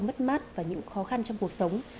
mất mát và những khó khăn trong cuộc sống